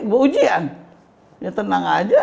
ujian ya tenang aja